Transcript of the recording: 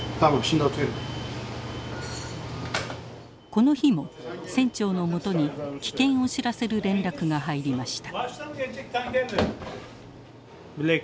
この日も船長のもとに危険を知らせる連絡が入りました。